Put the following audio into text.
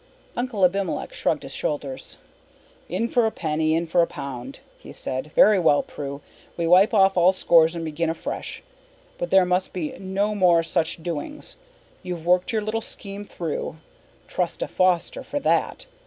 Uncle Abimelech shrugged his shoulders. "In for a penny, in for a pound," he said. "Very well, Prue. We wipe off all scores and begin afresh. But there must be no more such doings. You've worked your little scheme through trust a Foster for that!